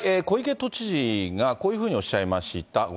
小池都知事がこういうふうにおっしゃいました。